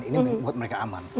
ini membuat mereka aman